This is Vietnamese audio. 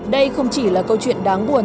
đây không chỉ là câu chuyện đáng buồn